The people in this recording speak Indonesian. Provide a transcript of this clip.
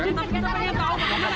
tapi kita pengen tahu pak